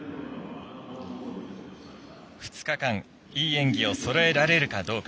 ２日間、いい演技をそろえられるかどうか。